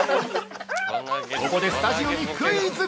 ◆ここでスタジオにクイズ！